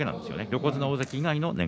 横綱大関以外はね。